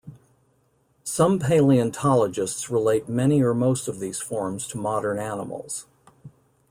Some paleontologists relate many or most of these forms to modern animals.